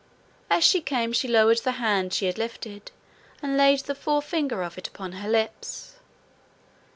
As she came she lowered the hand she had lifted, and laid the forefinger of it upon her lips.